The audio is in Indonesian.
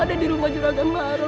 ada di rumah juragan baru